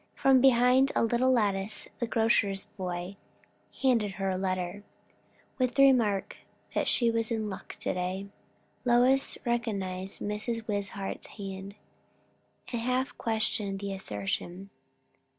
From behind a little lattice the grocer's boy handed her a letter, with the remark that she was in luck to day. Lois recognized Mrs. Wishart's hand, and half questioned the assertion.